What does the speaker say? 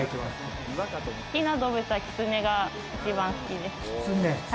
好きな動物はキツネが一番好きです。